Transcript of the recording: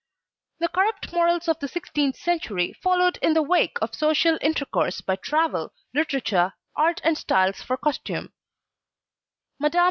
The corrupt morals of the sixteenth century followed in the wake of social intercourse by travel, literature, art and styles for costumes. Mme.